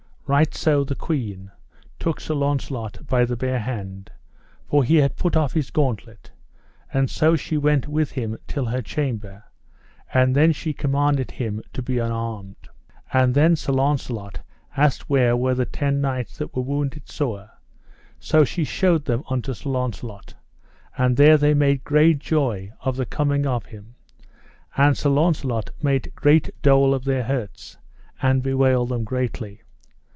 Right so the queen took Sir Launcelot by the bare hand, for he had put off his gauntlet, and so she went with him till her chamber; and then she commanded him to be unarmed. And then Sir Launcelot asked where were the ten knights that were wounded sore; so she showed them unto Sir Launcelot, and there they made great joy of the coming of him, and Sir Launcelot made great dole of their hurts, and bewailed them greatly.